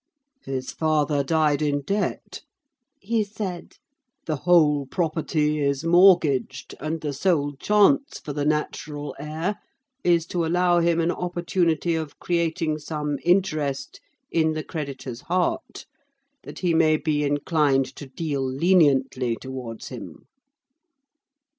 "His father died in debt," he said; "the whole property is mortgaged, and the sole chance for the natural heir is to allow him an opportunity of creating some interest in the creditor's heart, that he may be inclined to deal leniently towards him."